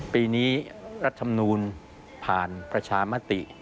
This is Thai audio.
ปีนี้รัฐมนูลผ่านประชามติ